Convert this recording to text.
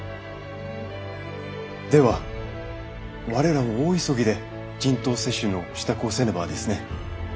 では我らも大急ぎで人痘接種の支度をせねばですね。